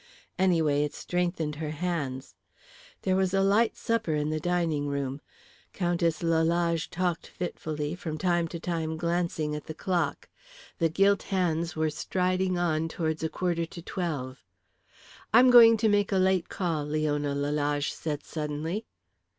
Anyway, it strengthened her hands. There was a light supper in the dining room. Countess Lalage talked fitfully, from time to time glancing at the clock. The gilt hands were striding on towards a quarter to twelve. "I'm going to make a late call?" Leona Lalage said suddenly.